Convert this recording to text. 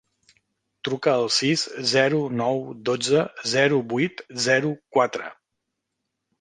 Truca al sis, zero, nou, dotze, zero, vuit, zero, quatre.